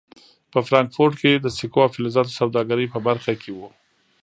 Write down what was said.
په فرانکفورټ کې د سکو او فلزاتو سوداګرۍ په برخه کې و.